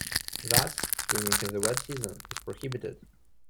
Thus, swimming in the wet season is prohibited.